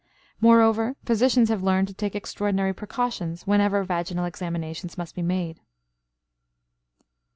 Moreover, physicians have learned to take extraordinary precautions whenever vaginal examinations must be made.